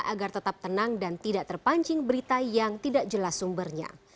agar tetap tenang dan tidak terpancing berita yang tidak jelas sumbernya